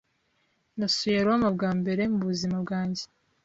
Nasuye Roma bwa mbere mu buzima bwanjye.